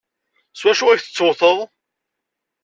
S wacu ay tettewteḍ?